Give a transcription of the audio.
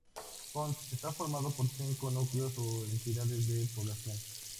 Ponts está formado por cinco núcleos o entidades de población.